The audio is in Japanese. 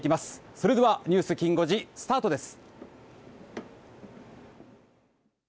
それではニュースきん５時スタートです。